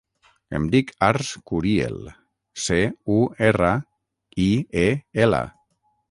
Em dic Arç Curiel: ce, u, erra, i, e, ela.